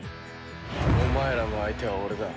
お前らの相手は俺だ。